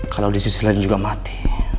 kalau di sisi lain juga mati